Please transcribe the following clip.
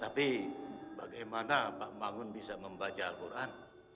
tapi bagaimana pak mangun bisa membaca al quran